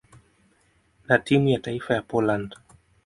na timu ya taifa ya Poland.